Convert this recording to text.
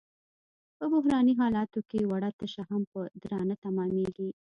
په بحراني حالاتو کې وړه تشه هم په درانه تمامېږي.